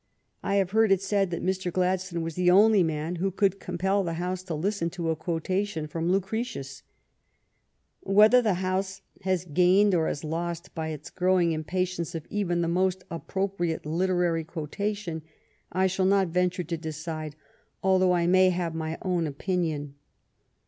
I have heard it said that Mr. Gladstone was the only man who could compel the House to listen to a quotation from Lucretius. Whether the House has gained or has lost by its growing impatience of even the most appropriate literary quotation I shall not venture to decide, although I may have my own opinion.